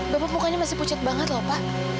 bapak mukanya masih pucat banget loh pak